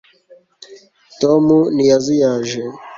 tom ntiyazuyaje